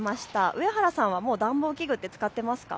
上原さんはもう暖房器具って使っていますか。